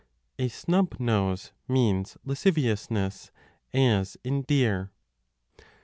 5 A snub nose means lasciviousness, as in deer.